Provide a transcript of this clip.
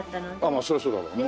まあそりゃそうだろうね。